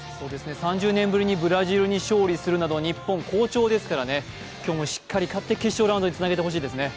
３０年ぶりにブラジルに勝利するなど日本、好調ですからね今日もしっかり勝って決勝ラウンドにつなげてほしいですね。